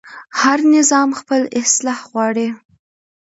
هر نظام خپل اصلاح غواړي